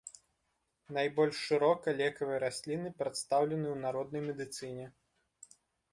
Найбольш шырока лекавыя расліны прадстаўлены ў народнай медыцыне.